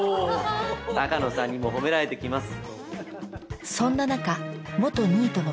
鷹野さんにも褒められてきます。